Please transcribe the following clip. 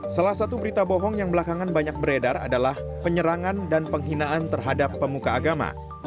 salah satu berita bohong yang belakangan banyak beredar adalah penyerangan dan penghinaan terhadap pemuka agama